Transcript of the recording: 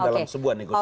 dalam sebuah negosiasi